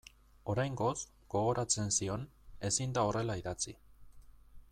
Oraingoz, gogoratzen zion, ezin da horrela idatzi.